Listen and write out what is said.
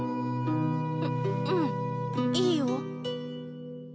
ううんいいよ。